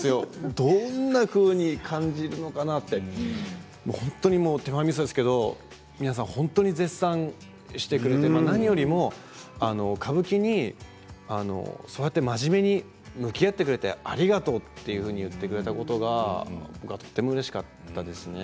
どうなるかなと手前みそですけど、本当に皆さん絶賛してくれて何よりも歌舞伎にそうやって歌舞伎に真面目に向き合ってくれてありがとうというふうに言ってくれたことが僕はとてもうれしかったですね。